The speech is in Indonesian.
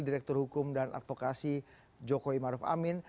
direktur hukum dan advokasi joko imaruf amin